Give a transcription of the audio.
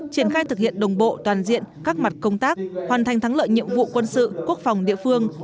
triển khai thực hiện đồng bộ toàn diện các mặt công tác hoàn thành thắng lợi nhiệm vụ quân sự quốc phòng địa phương